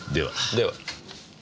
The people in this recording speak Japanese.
では。